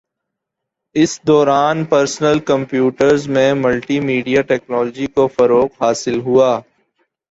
اسی دوران personal computers میں ملٹی میڈیا ٹیکنولوجی کو فروغ حاصل ہوا